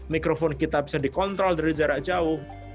mikrofon kita bisa dikontrol dari jarak jauh